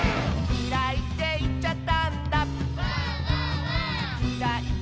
「きらいっていっちゃったんだ」